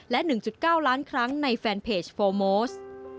และ๑๙ล้านครั้งในแฟนเพจโฟร์โมส